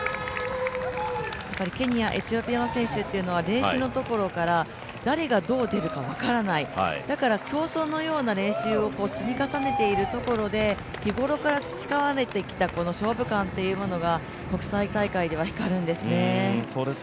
ケニア、エチオピアの選手というのは練習の時から誰がどう出るか分からないだから競争のような練習を積み重ねてるところで日頃から培われてきた勝負勘というものが国際大会では光るんですね。